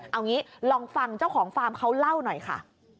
เอางี้ลองฟังเจ้าของฟาร์มเขาเล่าหน่อยค่ะ